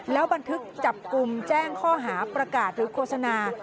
แล้วบันทึกจับกลุ่มแจ้งข้อหาประกาศหรือโฆษณา